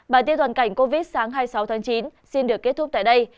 bài tiêu toàn cảnh covid một mươi chín sáng hai mươi sáu tháng chín xin được kết thúc tại đây